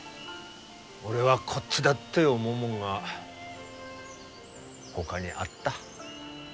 俺はこっちだって思うもんがほかにあった。